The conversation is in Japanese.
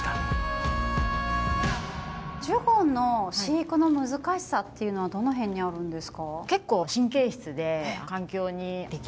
ジュゴンの飼育の難しさっていうのはどの辺にあるんですか？